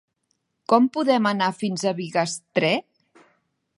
Com podem anar fins a Bigastre?